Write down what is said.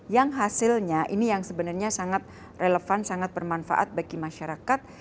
yang hasilnya ini yang sebenarnya sangat relevan sangat bermanfaat bagi masyarakat